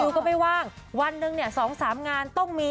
อยู่ก็ไม่ว่างวันหนึ่งเนี่ยสองสามงานต้องมี